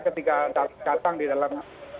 ketika datang di dalam